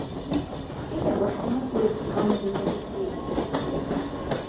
Әйҙә, башҡалар күреп, быны Гөлнәфискә еткерһен!